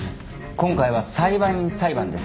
今回は裁判員裁判です。